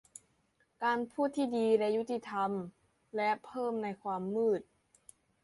การพูดที่ดีและยุติธรรม และเพิ่มในความมืด